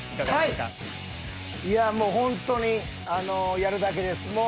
はいいやもうホントにやるだけです。